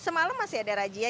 semalam masih ada rajia